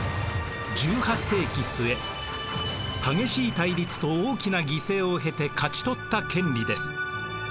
１８世紀末激しい対立と大きな犠牲を経て勝ち取った権利です。